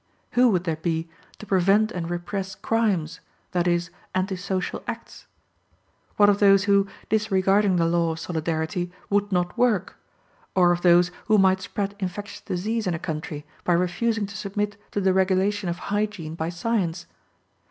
Who would there be to prevent and repress crimes, that is, anti social acts? What of those who, disregarding the law of solidarity, would not work? Or of those who might spread infectious disease in a country, by refusing to submit to the regulation of hygiene by science?